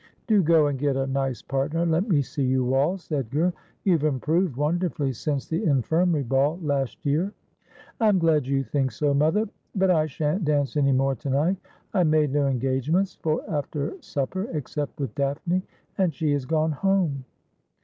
Do go and get a nice partner and let me see you waltz, 228 Asphodel. Edgar. You've improved wonderfully since the Infirmary Ball last year.' ' I'm glad you think so, mother, but I shan't dance any more to night. I made no engagements for after supper, except with Daphne, and she has gone home.'